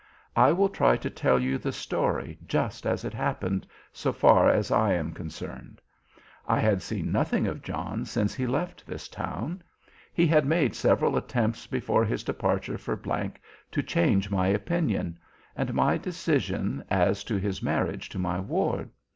I will try to tell you the story just as it happened, so far as I am concerned. I had seen nothing of John since he left this town. He had made several attempts before his departure for G to change my opinion, and my decision as to his marriage to my ward.